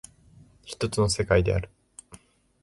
一つの世界である。